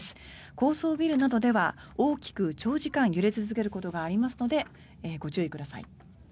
高層ビルなどでは大きく長時間揺れ続けることがありますのでご注意ください。